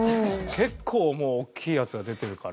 結構もう大きいやつが出てるから。